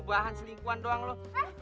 bahan selingkuhan doang lo